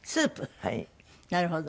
なるほど。